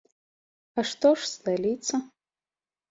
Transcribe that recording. А што ж сталіца?